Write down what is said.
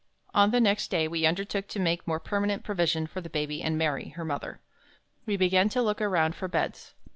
On the next day we undertook to make more permanent provision for the Baby and Mary, her mother. We began to look around for beds.